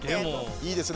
いいですね。